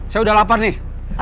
saya udah lapar nih